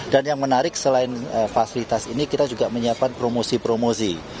dan yang menarik selain fasilitas ini kita juga menyiapkan promosi promosi